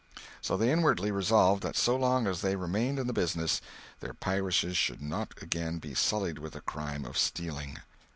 So they inwardly resolved that so long as they remained in the business, their piracies should not again be sullied with the crime of stealing.